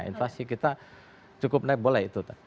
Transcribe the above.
inflasi kita cukup naik boleh itu